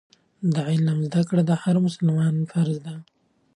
د علم زده کړه د هر مسلمان فرض دی.